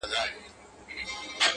چي كتل يې زما تېره تېره غاښونه-